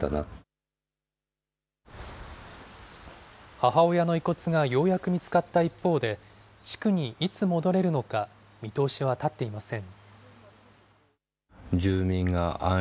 母親の遺骨がようやく見つかった一方で、地区にいつ戻れるのか、見通しは立っていません。